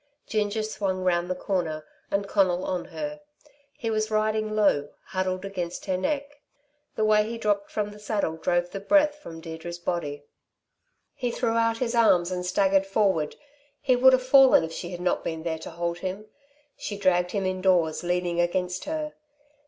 Ginger swung round the corner, and Conal on her. He was riding low, huddled against her neck. The way he dropped from the saddle drove the breath from Deirdre's body. He threw out his arms and staggered forward. He would have fallen if she had not been there to hold him. She dragged him indoors leaning against her.